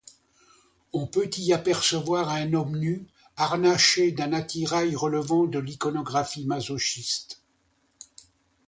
On peut y apercevoir un homme nu arnaché d'un attirail relevant de l'iconographie masochiste.